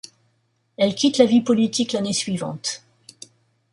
Elle quitte la vie politique l'année suivante.